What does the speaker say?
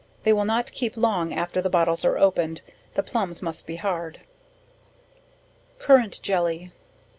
They will not keep long after the bottles are opened; the plumbs must be hard. Currant Jelly.